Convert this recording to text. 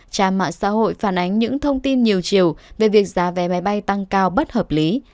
trang mạng xã hội phản ánh những thông tin nhiều chiều về việc giá vé máy bay tăng cao bất hợp lý